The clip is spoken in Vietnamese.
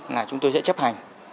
là chúng tôi sẽ chấp hành